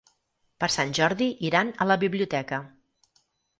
Per Sant Jordi iran a la biblioteca.